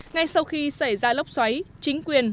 ngay sau khi xảy ra lốc xoáy chính quyền